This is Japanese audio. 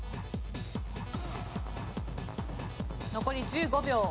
残り１５秒。